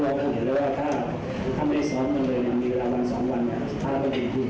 เพราะว่าเราเห็นแล้วว่าถ้าไม่ซ้อนกันเลยมีเวลาวัน๒วันถ้าก็เป็นที่เห็น